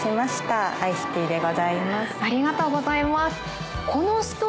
ありがとうございます。